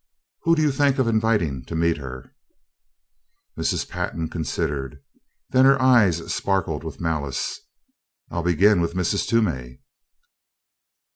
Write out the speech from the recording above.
Who do you think of inviting to meet her?" Mrs. Pantin considered. Then her eyes sparkled with malice, "I'll begin with Mrs. Toomey."